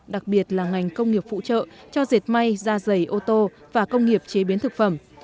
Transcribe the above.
đặc biệt là ngành công nghiệp phụ trợ cho dệt may da dày ô tô và công nghiệp chế biến thực phẩm